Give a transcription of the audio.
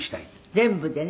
「全部でね」